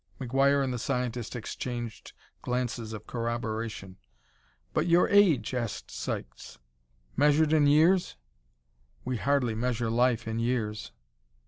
McGuire and the scientist exchanged glances of corroboration. "But your age," asked Sykes, "measured in years?" "We hardly measure life in years."